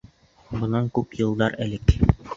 Бынан күп йылдар элек.